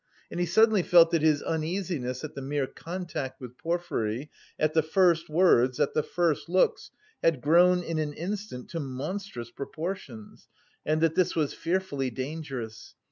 And he suddenly felt that his uneasiness at the mere contact with Porfiry, at the first words, at the first looks, had grown in an instant to monstrous proportions, and that this was fearfully dangerous.